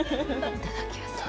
いただきます。